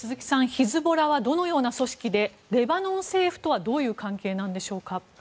ヒズボラはどのような組織でレバノン政府とはどういう関係なんでしょうか。